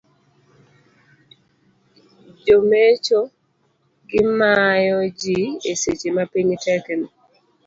Jomecho gi mayo ji e seche mapiny tek ni.